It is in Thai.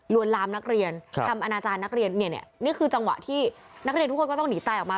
ลามนักเรียนทำอนาจารย์นักเรียนเนี่ยนี่คือจังหวะที่นักเรียนทุกคนก็ต้องหนีตายออกมา